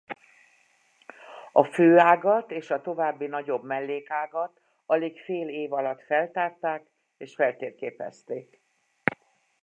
A főágat és a további nagyobb mellékágat alig fél év alatt feltárták és feltérképezték.